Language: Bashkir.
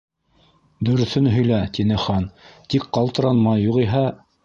—Дөрөҫөн һөйлә, —тине Хан, —тик ҡалтыранма, юғиһә